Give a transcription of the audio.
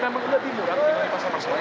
memang lebih murah daripada pasar masalahnya